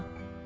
tak hanya itu